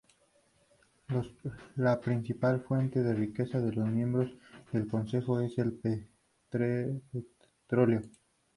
La principal fuente de riqueza de los miembros del consejo es el petróleo.